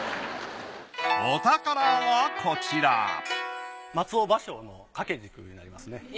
お宝はこちら松尾芭蕉の掛軸になりますね。